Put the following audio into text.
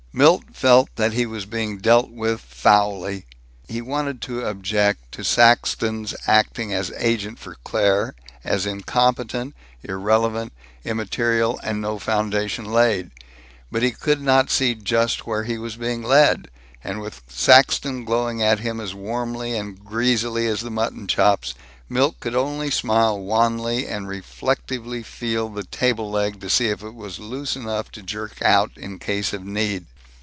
Milt felt that he was being dealt with foully. He wanted to object to Saxton's acting as agent for Claire as incompetent, irrelevant, immaterial, and no foundation laid. But he could not see just where he was being led, and with Saxton glowing at him as warmly and greasily as the mutton chops, Milt could only smile wanly, and reflectively feel the table leg to see if it was loose enough to jerk out in case of need.